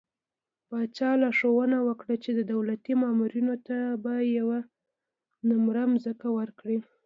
پاچا لارښوونه وکړه چې د دولتي مامورينو ته به يوه نمره ځمکه ورکړي .